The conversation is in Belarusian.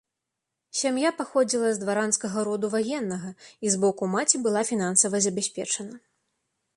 Сям'я паходзіла з дваранскага роду ваеннага і з боку маці была фінансава забяспечана.